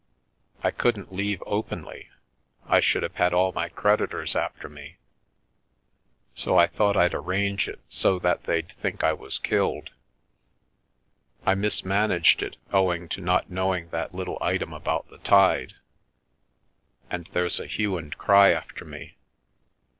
I couldn't leave openly, I should have had all my creditors after me, so I thought Fd arrange it so that they'd think I was killed. I mismanaged it, owing to not knowing that lit tle item about the tide, and there's a hue and cry after me.